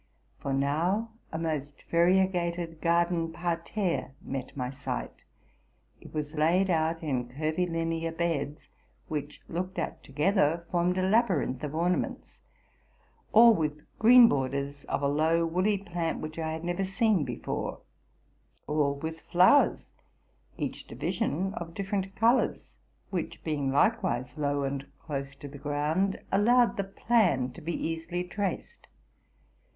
For now a most variegated garden parterre met my sight. It was laid out in curvilinear beds, which, looked at together, formed a labyrinth of ornaments ; all with green borders of a low, woolly plant, which I had never seen before ; all with flowers, each division of different colors, which, being likewise low and close to the ground, allowed the plan to be easily traced.